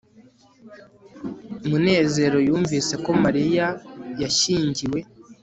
munezero yumvise ko mariya yashyingiwe